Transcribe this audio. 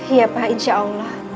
ya pak insya allah